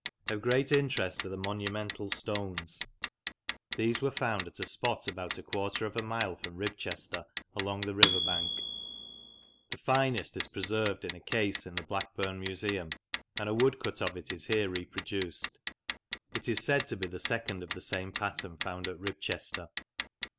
Of great interest are the monumental stones. These were found at a spot about a quarter of a mile from Ribchester along the river bank. The finest is preserved in a case in the Blackburn Museum, and a woodcut of it is here reproduced. It is said to be the second of the same pattern found at Ribchester.